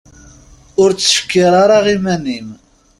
Ur ttcekkir ara iman-im.